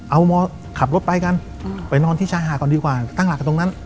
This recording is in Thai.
เอามอขับรถไปกันไปนอนที่ชายหาดก่อนดีกว่าตั้งหลักกันตรงนั้น